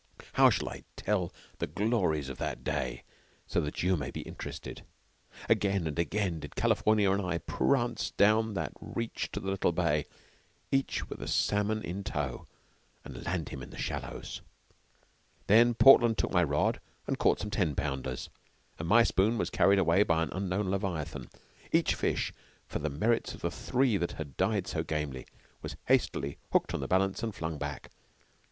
How shall I tell the glories of that day so that you may be interested? Again and again did California and I prance down that reach to the little bay, each with a salmon in tow, and land him in the shallows. Then Portland took my rod and caught some ten pounders, and my spoon was carried away by an unknown leviathan. Each fish, for the merits of the three that had died so gamely, was hastily hooked on the balance and flung back.